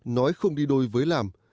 nói không đi đôi với làm